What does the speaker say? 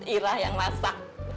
ira yang masak